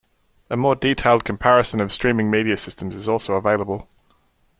A more detailed comparison of streaming media systems is also available.